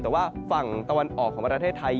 แต่ว่าฝั่งตะวันออกของประเทศไทย